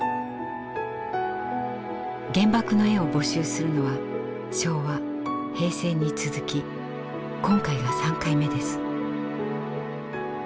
「原爆の絵」を募集するのは昭和・平成に続き今回が３回目です。